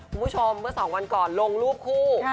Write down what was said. คุณผู้ชมเมื่อ๒วันก่อนลงรูปคู่